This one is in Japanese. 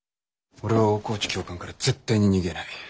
俺は大河内教官から絶対に逃げない。